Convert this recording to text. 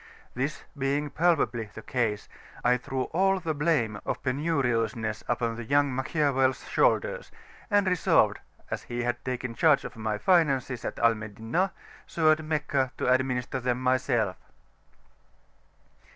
This being palpably the case, I threw all the blame of penuriousness upon the young Machiavel's shoulders, and resolved, as he had taken charge of my finances at Al Madinah, so at Meccah to administer them myself.